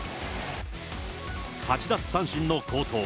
８奪三振の好投。